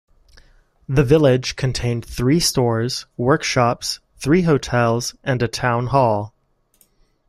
The village contained three stores, workshops, three hotels, and a town hall.